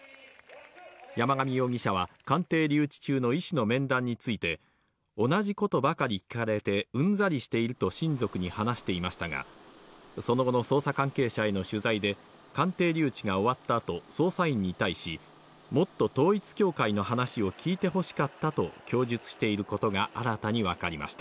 山上容疑者は鑑定留置中の医師の面談について同じことばかり聞かれてうんざりしていると親族に話していましたが、その後の捜査関係者への取材で鑑定留置が終わった後、捜査員に対し、もっと統一教会の話を聞いてほしかったと供述していることが新たに分かりました。